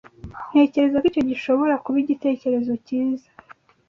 Ntekereza ko icyo gishobora kuba igitekerezo cyiza.